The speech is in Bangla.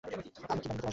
আমি কি বাড়ির ভেতর আসব?